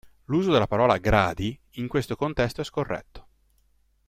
L'uso della parola "gradi" in questo contesto è scorretto.